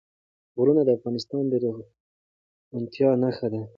غرونه د افغانستان د زرغونتیا نښه ده.